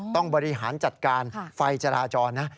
ต้องบริหารจัดการไฟจราจรนะ